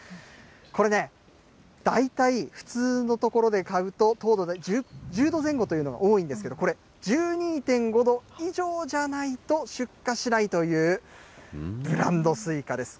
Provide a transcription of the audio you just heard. これね、大体普通の所で買うと、糖度が１０度前後というところが多いんですけど、これ、１２．５度以上じゃないと出荷しないという、ブランドスイカです。